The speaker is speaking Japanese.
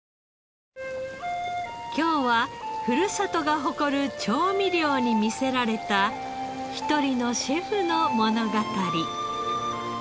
今日はふるさとが誇る調味料に魅せられた一人のシェフの物語。